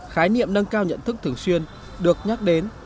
khái niệm nâng cao nhận thức thường xuyên được nhắc đến